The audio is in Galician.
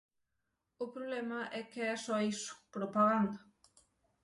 O problema é que é só iso: propaganda.